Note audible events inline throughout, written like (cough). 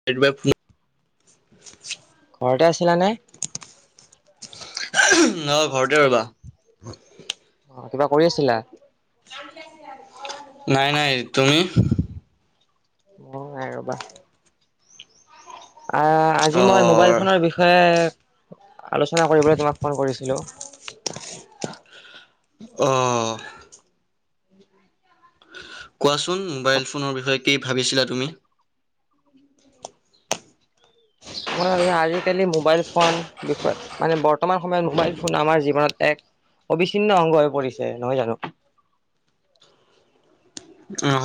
(inaudible) ঘৰতে আছিলা নে? অ' ঘৰতে ৰবা! অ' কিবা কৰি আছিলা? নাই। নাই। তুমি? মোৰো নাই ৰবা। আহ' আজি অ মই মোবাইল ফোনৰ বিষয়ে আলোচনা কৰিবলৈ তোমাক ফোন কৰিছিলোঁ। অ', কোৱাচোন মোবাইল ফোনৰ বিষয়ে কি ভাবিছিলা তুমি? মই (unintelligible) আজিকালি মোবাইল ফোন বিষয়ে মানে বৰ্তমান সময়ত মোবাইল ফোন আমাৰ জীৱনত এক অবিচ্ছিন্ন অংগ হৈ পৰিছে নহয় জানোঁ।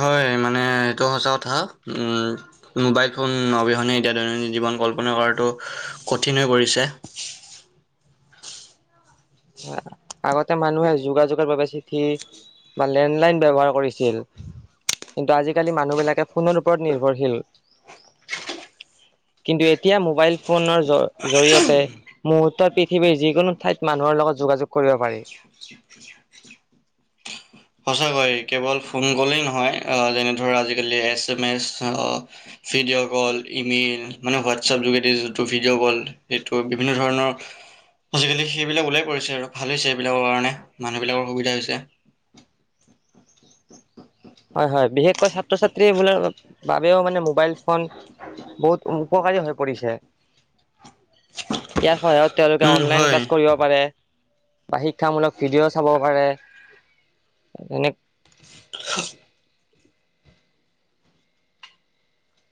হয়। মানে এইটো সঁচা কথা। উম', মোবাইল ফোন অবিহনে এতিয়া দৈনন্দিন জীৱন কল্পনা কৰাটো কঠিন হৈ পৰিছে। (unintelligible) আগতে মানুহে যোগাযোগৰ বাবে চিঠি বা লেণ্ডলাইন ব্যৱহাৰ কৰিছিল। কিন্তু আজিকালি মানুহবিলাকে ফোনৰ ওপৰত নিৰ্ভৰশীল। কিন্তু, এতিয়া মোবাইল ফোনৰ জ জৰিয়তে মুহূৰ্ত পৃথিৱীৰ যিকোনো ঠাইত মান মানুহ লগত যোগাযোগ কৰিব পাৰি। (unintelligible) সঁচাকৈ। কেৱল ফোন কলেই নহয় যেনে ধৰ আজিকালি এছ এম অ, ভিডিঅ' কল, ইমেইল মানে, হোৱাটছএপ যোগেদি যোনটো ভিডিঅ' কল সেইটো বিভিন্ন ধৰণৰ আজিকালি সেইবিলাক ওলাই পৰিছে আৰু ভাল হৈছে। সেইবিলাকৰ কাৰণে মানুহবিলাকৰ সুবিধা হৈছে। হয়। হয়। বিশেষকৈ ছাত্ৰ ছাত্ৰী বো বাবেও মানে মোবাইল ফোন বহুত উপকাৰী হৈ পৰিছে। ইয়াৰ সহায়ত তেওঁলোকে উম, অনলাইন হয়। ক্লাছ কৰিব পাৰে, বা শিক্ষামূলক ভিডিঅ' চাব পাৰে। (inaudible)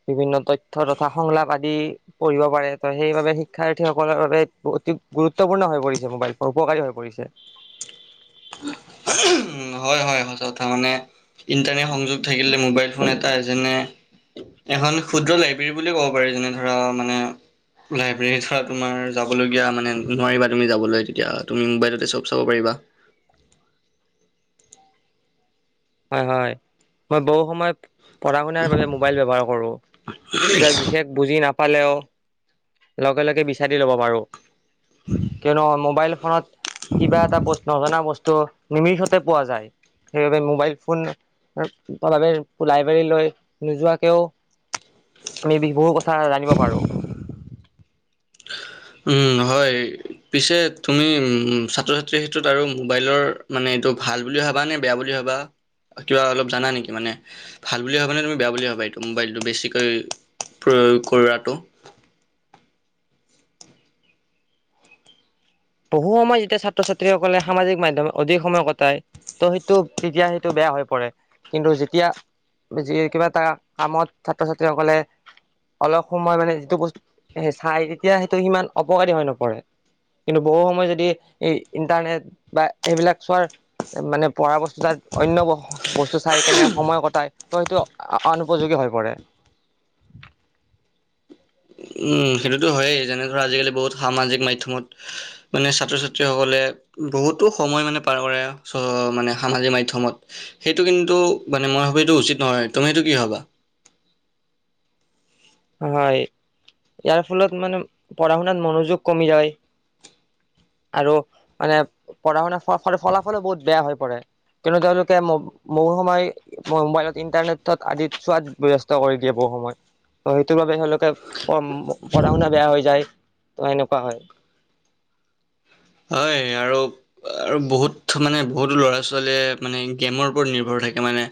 বিভিন্ন তথ্য তথা সংলাপ আদি পঢ়িব পাৰে। ত', সেইবাবে শিক্ষাৰ্থীসকলৰ বাবে অতি গুৰুত্বপূৰ্ণ হৈ পৰিছে মোবাইল ফোন উপকাৰী হৈ পৰিছে। উম', হয়। হয়। হয়। সঁচা কথা মানে (unintelligible) (unintelligible) থাকিলে ম'বাইল ফোন এটাই যেনে এখন (unintelligible) বুলি ক'ব পাৰি। যেনে ধৰা মানে লাইব্ৰেৰীৰ ধৰা তোমাৰ যাবলগীয়া মানে নোৱাৰিবা, তুমি যাবলৈ তেতিয়া তুমি মুম্বাই ততে চব চাব পাৰিবা। হয়। হয়। মই বহু সময় পঢ়া শুনাৰ বাবে মোবাইল ব্যৱহাৰ কৰো। কিবা বিশেষ বুজি নাপালেও লগে, লগে, বিচাৰি ল'ব পাৰো। কিয়নো অ', ম'বাইল ফোনত কিবা এটা বস্তু নজনা বস্তু নিমিষতে পোৱা যায়। সেইবাবে মোবাইল ফোন (unintelligible) (unintelligible) লাইবেৰি লৈ নোযোৱাকেও আমি বিহু কথা জানিব পাৰো। উম', হয়। পিছে তুমি উম, ছাত্ৰ ছাত্ৰীৰ ক্ষেত্ৰত আৰু মোবাইলৰ মানে এইটো ভাল বুলি ভাবা নে? বেয়া বুলি ভাবা কিবা অলপ জানা নেকি মানে? ভাল বুলি ভাবা নে তুমি বেয়া বুলি ভাবা? এইটো মোবাইলটো বেছিকৈ প্ৰয়োগ কৰাটো। বহু সময় যেতিয়া ছাত্ৰ ছাত্ৰীসকলে সামাজিক মাধ্যমে অধিক সময় কটায়। ত', সেইটো তেতিয়া সেইটো বেয়া হৈ পৰে। কিন্তু যেতিয়া যি কিবা এটা কামত ছাত্ৰ ছাত্ৰীসকলে অলপ সময় মানে যিটো বস্তুত চাই তেতিয়া সেইটো সিমান অপকাৰী হৈ নপৰে। কিন্তু বহু সময় যদি এই ইণ্টাৰনেট বা এইবিলাক চোৱাৰ মানে পঢ়া অৱস্থাত অন্য বস বস্তু চাই কেনে সময় কটাই ত' সেইটো অনুপযোগী হৈ পৰে। উম সেইটোতো হয়েই, যেনে ধৰা আজিকালি বহুত সামাজিক মাধ্যমত মানে ছাত্ৰ ছাত্ৰীসকলে বহুতো সময় মানে পাৰ কৰে, চ মানে সামাজিক মাধ্যমত। সেইটো কিন্তু মানে মই ভাবো এইটো উচিত নহয়, তুমি সেইটো কি ভবা? হয় ইয়াৰ ফলত মানে পঢ়া শুনাত মনোযোগ কমি যায়। আৰু মানে পঢ়া শুনাৰ ফলাফলো বহুত বেয়া হৈ পৰে। কিন্তু তেওঁলোকে ম বহু সময় মোবাইলত ইন্টাৰনেটত আদিত চোৱাত ব্যস্ত কৰি দিয়ে বহু সময়। সেইটোৰ বাবে তেওঁলোকে পঢ়া শুনা বেয়া হৈ যায়, ত সেনেকুৱা হয়। হয় আৰু আৰু বহুত মানে বহুতো ল'ৰা ছোৱালীয়ে মানে গেমৰ ওপৰত নিৰ্ভৰ থাকে মানে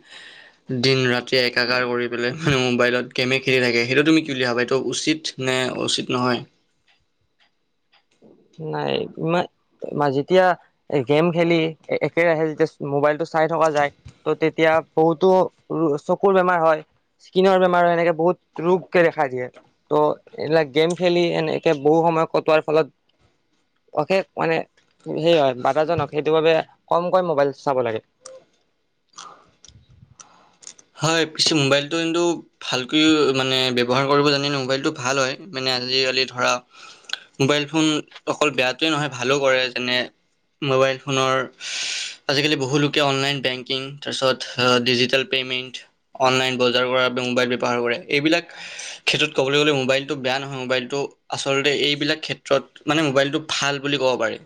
দিন ৰাতি একাকাৰ কৰি পেলাই মানে মোবাইলত গেমেই খেলি থাকে, সেইটো তুমি কি বুলি ভাবা এইটো উচিত নে উচিত নহয়? নাই ইমান যেতিয়া গেম খেলি একে ৰাহে যেতিয়া মোবাইলটো চাই থকা যায় ত' তেতিয়া বহুতো চকুৰ বেমাৰ হয়। স্কিনৰ বেমাৰ হয়, এনেকে বহুত ৰোগকে দেখা দিয়ে। ত' এইবিলাক গেম খেলি এনেকে বহু সময় কটোৱাৰ ফলত অশেষ মানে সেই হয় বাধাজনক সেইটো বাবে কমকৈ মোবাইল চাব লাগে। হয় পিছে মোবাইলটো কিন্তু ভালকৈও মানে ব্যৱহাৰ কৰিব জানিলে মোবাইলটো ভাল হয় মানে আজিকালি ধৰা মোবাইল ফোন অকল বেয়াতোৱে নহয় ভালো কৰে যেনে মোবাইল ফোনৰ আজিকালি বহু লোকে অনলাইন বেংকিং তাৰপিছত ডিজিটেল পে'মেণ্ট অনলাইন বজাৰ কৰা বাবে মোবাইল ব্যৱহাৰ কৰে এইবিলাক ক্ষেত্ৰত ক'বলৈ গ'লে মোবাইলটো বেয়া নহয়, মোবাইলটো আচলতে এইবিলাক ক্ষেত্ৰত মানে মোবাইলটো ভাল বুলি ক'ব পাৰি।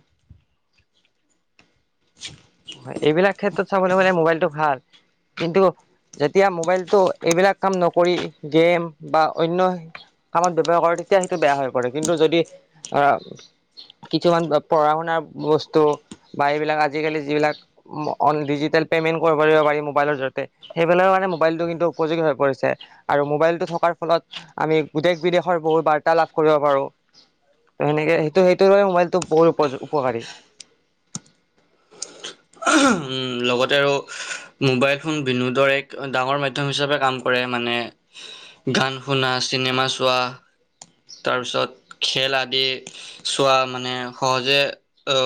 এইবিলাক ক্ষেত্ৰত চাবলে গ'লে মোবাইলটো ভালম কিন্তু যেতিয়া মোবাইলটো এইবিলাক কাম নকৰি গেম বা অন্য কামত ব্যয়ৱহাৰ কৰ তেতিয়া সেইটো বেয়া হৈ পৰে, কিন্তু যদি আহ কিছুমান পঢ়া শুনাৰ বস্তু বা এইবিলাক আজিকালি যিবিলাক অন ডিজিটেল পেমেণ্ট কৰিব পাৰিব পাৰি মোবাইলৰ জৰিয়তে। সেইবিলাকৰ কাৰণে মোবাইলটো কিন্তু উপযোগী হৈ পৰিছে, আৰু মোবাইলটো থকাৰ ফলত আমি দেশ বিদেশৰ বহুত বাৰ্তা লাভ কৰিব পাৰো। ত সেনেক সেইটো সেইটোৰ বাবে মবাইলটো বহুত উপ উপকাৰী। (inaudible) উম লগতে আৰু মোবাইল ফোন বিনোদৰ এক ডাঙৰ মাধ্যম হিচাপে কাম কৰে মানে গান শুনা, চিনেমা চোৱা তাৰপিছত খেল আদি চোৱা মানে সহজে অ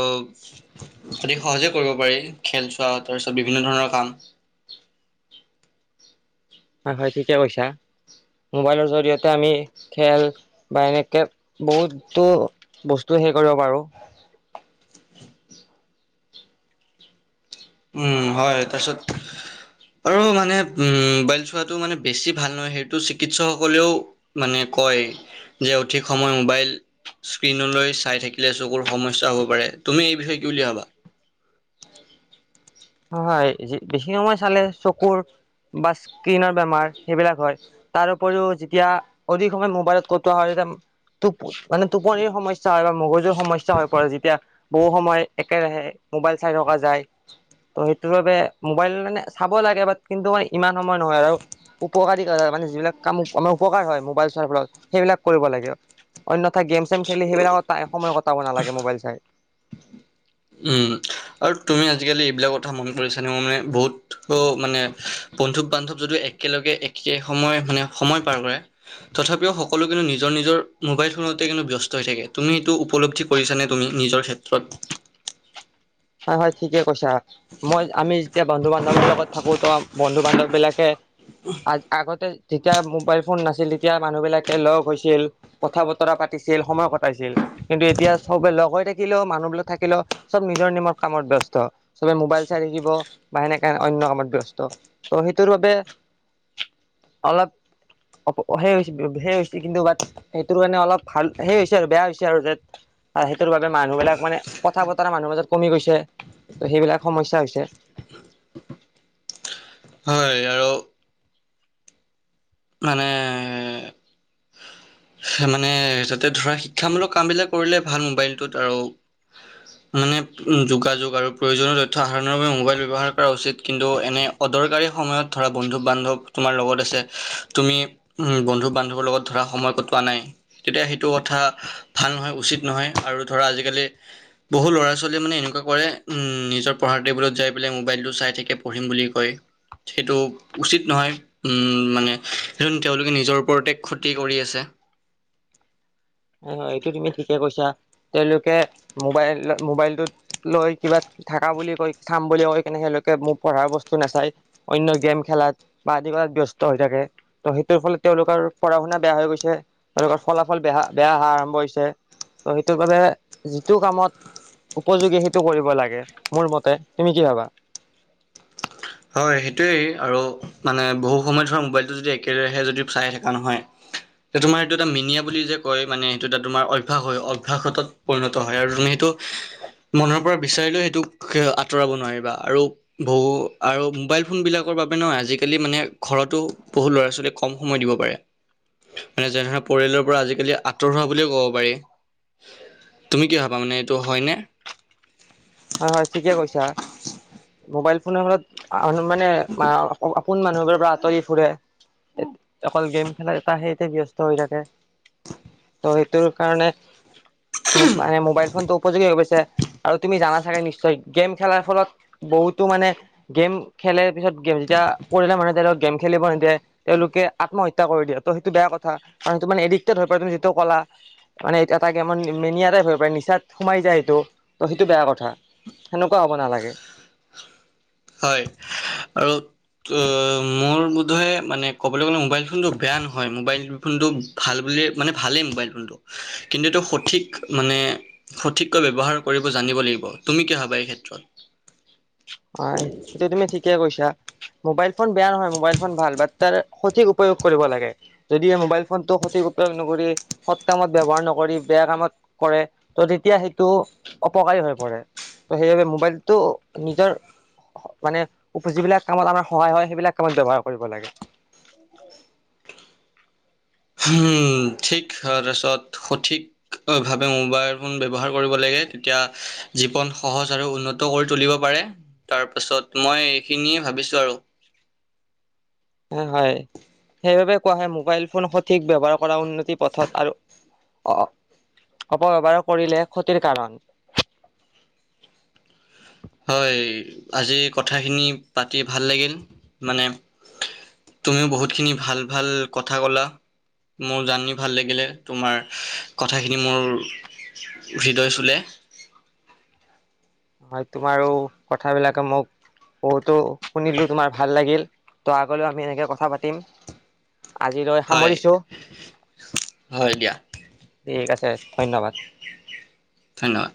অতি সহজে কৰিব পাৰি খেল চোৱা তাৰপিছত বিভিন্ন ধৰণৰ কাম। হয় হয় ঠিকে কৈছা, মোবাইলৰ জৰিয়তে আমি খেল বা এনেকে বহুতো বস্তু সেই কৰিব পাৰো। উম হয় তাৰপিছত আৰু মানে উম মোবাইল চোৱাটো মানে বেছি ভাল নহয় সেইটো চিকিৎসক সকলেও মানে কয় যে অধিক সময় মোবাইল স্ক্ৰীণলৈ চাই থাকিলে চকুৰ সমস্যা হ'ব পাৰে তুমি এই বিষয়ে কি বুলি ভাবা। হয় বেছি সময় চালে চকুৰ বা স্কিনৰ বেমাৰ সেইবিলাক হয়। তাৰ উপৰিও যেতিয়া অধিক সময় মোবাইলত কটোৱা হয় তেতিয়া। টো মানে টোপনিৰ সমস্যা হয় বা মগজুৰ সমস্যা হৈ পৰে যেতিয়া। বহু সময় একেৰাহে মোবাইল চাই থকা যায়। ত' সেইটো বাবে মোবাইল মানে চাব লাগে বাট কিন্তু ইমান সময় নহয় আৰু। উপকাৰী ধৰা মানে যিবিলাক কাম আমাৰ উপকাৰ হয় মোবাইল চোৱাৰ ফলত সেইবিলাক কৰিব লাগে। অন্যথা গেম চেম খেলি সেইবিলাকত সময় কটাব নালাগে মোবাইল চাই। উম। আৰু তুমি আজিকালি এইবিলাক কথা মন কৰিছানে মানে বহুত মানে বন্ধু বান্ধৱ যদিও একে একেলগে একে সময় মানে সময় পাৰ কৰে। তথাপিও সকলো কিন্তু নিজৰ, নিজৰ মোবাইল ফোনতে কিন্তু ব্যস্ত হৈ থাকে তুমি সেইটো উপলব্ধি কৰিছানে তুমি নিজৰ ক্ষেত্ৰত। হয়, হয় ঠিকে কৈছা। মই আমি যেতিয়া বন্ধু বান্ধৱৰ লগত থাকো ত' বন্ধু বান্ধৱ বিলাকে আ-আগতে। যেতিয়া মোবাইল ফোন নাছিল তেতিয়া মানুহ বিলাকে লগ হৈছিল। কথা বতৰা পাতিছিল সময় কটাইছিল। কিন্তু এতিয়া চবে লগ হৈ থাকিলেও মানুহবিলাক থাকিলেও চব নিজৰ নিমত কামত ব্যস্ত চবে মোবাইল চাই থাকিব বা সেনেকে অন্য কামত ব্যস্ত। ত' সেইটোৰ বাবে অলপ। অ সেই সে হৈছে কিন্তু বাট সেইটোৰ কাৰণে অলপ ভাল সেই হৈছে আৰু বেয়া হৈছে আৰু যে। আৰু সেইটোৰ বাবে মানুহ বিলাক মানে কথা বতৰা মানুহৰ মাজত কমি গৈছে ত' সেইবিলাক সমস্যা হৈছে। হয় আৰু। মানে। মানে তাতে ধৰা শিক্ষামূলক কাম বিলাক কৰিলে ভাল মোবাইলটোত আৰু। (inaudible) মানে যোগাযোগ আৰু প্ৰয়োজনীয় তথ্য আহৰণৰ বাবে মোবাইল ব্যৱহাৰ কৰা উচিত কিন্তু এনে। অদৰকাৰী সময়ত ধৰা বন্ধু বান্ধৱ তোমাৰ লগত আছে তুমি। উম বন্ধু বান্ধৱৰ লগত ধৰা সময় কত পোৱা নাই তেতিয়া সেইটো কথা ভাল নহয় উচিত নহয় আৰু ধৰা আজিকালি। বহু ল'ৰা ছোৱালীয়ে মানে এনেকুৱা কৰে নিজৰ পঢ়াৰ টেবুলত যাই পেলাই মোবাইলটো চাই থাকে পঢ়িম বুলি কয়। সেইটো উচিত নহয়। উম মানে তেওঁলোকে নিজৰ ওপৰতে ক্ষতি কৰি আছে। হয় এইটো তুমি ঠিকে কৈছা তেওঁলোকে মোবাইল মোবাইলটোত লৈ কিবা থাকা বুলি কৈ চাম বুলি কৈ কিন্তু তেওঁলোকে মোক পঢ়াৰ বস্তু নাচায়। অন্য গেম খেলাত বা আদি কৰাত ব্যস্ত হৈ থাকে। ত' সেইটোৰ ফলত তেওঁলোকৰ পঢ়া শুনা বেয়া হৈ গৈছে তেওঁলোকৰ ফলাফল বেয়া। বেয়া অহা আৰম্ভ হৈছে ত' সেইটো বাবে যিটো কামত। উপযোগী সেইটো কৰিব লাগে মোৰ মতে তুমি কি ভাবা। হয় সেইটোৱেই আৰু মানে বহু সময় ধৰা মোবাইলটো যদি একেৰাহে যদি চাই থকা নহয়। (inaudible) তোমাৰ সেইটো এটা মিনিয়া বুলি যে কয় মানে সেইটো এটা তোমাৰ অভ্যাস হয় অভ্যাসত পৰিণত হয় আৰু তুমি সেইটো। (inaudible) মনৰ পৰা বিচাৰিলেও সেইটোক আঁতৰাব নোৱাৰিবা আৰু বহু। আৰু মোবাইল ফোনবিলাকৰ বাবে নহয় আজিকালি মানে ঘৰতো বহু ল'ৰা ছোৱালীয়েক কম সময় দিব পাৰে। মানে যেনে ধৰণৰ পৰিয়ালৰ পৰা আজিকালি আঁতৰ হোৱা বুলিয়ও ক'ব পাৰি। তুমি কি ভাবা মানে এইটো হয়নে? হয়, হয়, ঠিকে কৈছা মোবাইল ফোনৰ ফলত মানুহৰ মানে কোন মানুহবোৰৰ পৰা আঁতৰি ফুৰে, অকল গেম খেলা ত সেইতে ব্যস্ত হৈ থাকে। ত' সেইটো কাৰণে মানে মোবাইল ফোনটো উপযোগী হৈ গৈছে আৰু তুমি জানা চাগে নিশ্চয় গেম খেলাৰ ফলত বহুতো মানে গেম খেলে পিছত গেম যেতিয়া পৰিয়ালৰ মানুহে তেওঁলোকক গেম খেলিব নিদিয়ে। তেওঁলোকে আত্মহত্যা কৰি দিয়ে ত' সেইটো বেয়া কথা কাৰণ, সেইটো মানে এডিক্টেড হৈ পৰে তুমিটো ক'লা। মানে এটা গেম মেনিয়া টাইপ হৈ পাৰে নিচাত সোমাই যায় সেইটো ত' সেইটো বেয়া কথা। সেনেকুৱা হ'ব নালাগে। হয়, আৰু ত, মোৰ বোধয় মানে ক'বলৈ গ'লে মোবাইল ফোনটো বেয়া নহয়, মোবাইল ফোনটো ভাল বুলিয়ে মানে ভালেই মোবাইল ফোনটো, কিন্তু এইটো সঠিক মানে সঠিককৈ ব্যৱহাৰ কৰিব জানিব লাগিব। তুমি কি ভাবা এই ক্ষেত্ৰত? হয়, সেইটো তুমি ঠিকে কৈছা। মোবাইল ফোন বেয়া নহয়, মোবাইল ফোন ভাল। বাত তাৰ সঠিক উপয়োগ কৰিব লাগে। যদিহে মোবাইল ফোনটো সঠিক উপয়োগ নকৰি সৎ কামত ব্যৱহাৰ নকৰি বেয়া কামত কৰে, ত' তেতিয়া সেইটোয়ো অপকাৰী হৈ পৰে। ত' সেইবাবে মোবাইলটো নিজৰ স মানে যিবিলাক কামত আমাৰ সহায় হয়, সেইবিলাক কামত ব্যৱহাৰ কৰিব লাগে। (inaudible) হুম, ঠিক হয়, তাৰপাছত সঠিক ভাৱে মোবাইল ফোন ব্যৱহাৰ কৰিব লাগে। তেতিয়া জীৱন সহজ আৰু উন্ন ত কৰি তুলিব পাৰে। তাৰ পাছত মই এইখিনিয়ে ভাবিছোঁ আৰু। সে হয়, সেইবাবে কোৱা হয়, মোবাইল ফোন সঠিক ব্যৱহাৰ কৰা উন্নতি পথত আৰু অ-অপব্যৱহাৰ কৰিলে ক্ষতিৰ কাৰণ। হয়, আজি কথাখিনি পাতি ভাল লাগিল, মানে তুমিও বহুতখিনি ভাল ভাল কথা ক'লা। মোৰ জানি ভাল লাগিলে। তোমাৰ কথাখিনি মোৰ হৃদয় চুলে। হয়, তোমাৰো কথাবিলাকে মোক বহুতো শুনিলো, তোমাৰ ভাল লাগিল। ত' আগলৈও আমি এনেকে কথা পাতিম। আজিলৈ হয় সামৰিছো। হয় দিয়া ঠিক আছে, ধন্যবাদ। ধন্যবাদ।